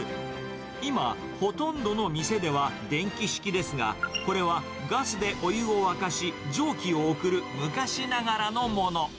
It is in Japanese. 今、ほとんどの店では電気式ですが、これはガスでお湯を沸かし、蒸気を送る昔ながらのもの。